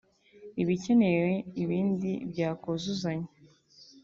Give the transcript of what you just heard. iba ikeneye ibindi byakuzuzanya